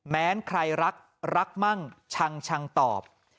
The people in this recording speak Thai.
แม้ใครรักรักมั้งชังชังตอบ